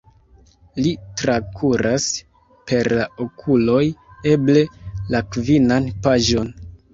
Li trakuras per la okuloj eble la kvinan paĝon.